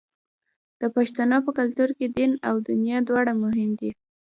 د پښتنو په کلتور کې دین او دنیا دواړه مهم دي.